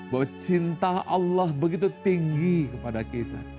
bahwa cinta allah begitu tinggi kepada kita